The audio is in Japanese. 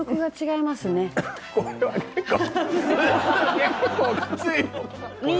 結構きつい。